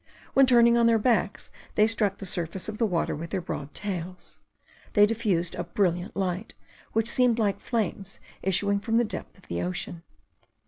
When turning on their backs, they struck the surface of the water with their broad tails; they diffused a brilliant light, which seemed like flames issuing from the depth of the ocean.